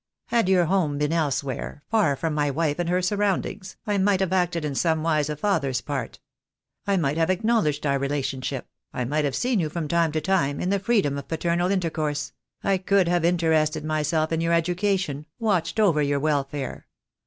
Had your home been elsewhere — far from my wife and her surroundings — I might have acted in some wise a father's part. I might have acknowledged our relationship — I might have seen you from time to time in the freedom of paternal intercourse — I could have interested myself in your educa tion, watched over your welfare.